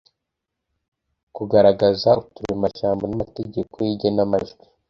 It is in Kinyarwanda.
Kugaragaza uturemajambo n’amategeko y’igenamajwi